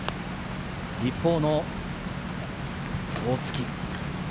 一方の大槻。